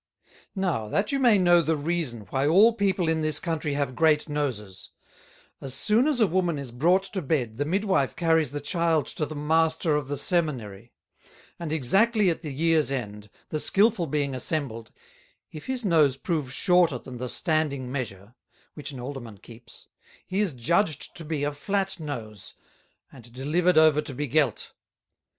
"Now that you may know the reason, why all People in this Country have great Noses; as soon as a Woman is brought to Bed the Midwife carries the Child to the Master of the Seminary; and exactly at the years end, the Skillful being assembled, if his Nose prove shorter than the standing Measure, which an Alderman keeps, he is judged to be a Flat Nose, and delivered over to be gelt.